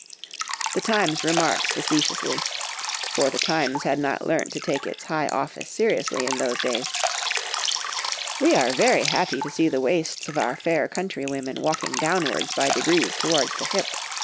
The Times remarks facetiously,—for The Times had not learnt to take its high office seriously in those days,—"We are very happy to see the waists of our fair countrywomen walking downwards by degrees towards the hip.